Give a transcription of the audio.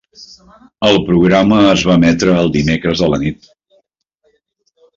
El programa es va emetre el dimecres a la nit.